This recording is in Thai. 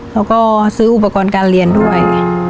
แล้วก็ซื้ออุปกรณ์การเรียนด้วย